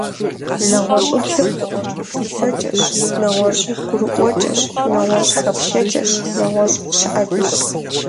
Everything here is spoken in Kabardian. НэгъуэщӀыбзэр — нэгъуэщӀ гупсысэкӀэщ, нэгъуэщӀ гурыӀуэкӀэщ, нэгъуэщӀ хэплъэкӀэщ, нэгъуэщӀ щыӀэкӀэщ.